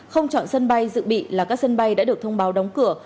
không chọn sân bay dự bị là các sân bay đã được thông báo đóng cửa